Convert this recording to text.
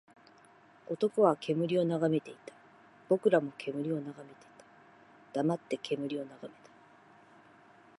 男は煙を眺めていた。僕らも煙を眺めた。黙って煙を眺めた。